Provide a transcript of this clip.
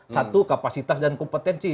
satu kapasitas dan kompetensi